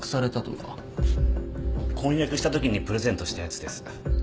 婚約したときにプレゼントしたやつです。